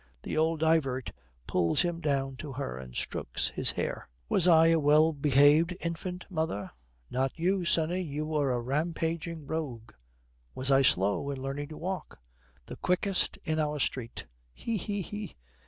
The old divert pulls him down to her and strokes his hair. 'Was I a well behaved infant, mother?' 'Not you, sonny, you were a rampaging rogue.' 'Was I slow in learning to walk?' 'The quickest in our street. He! he! he!'